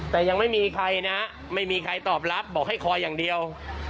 แต่ยังไม่มีใครนะไม่มีใครตอบรับบอกให้คอยอย่างเดียว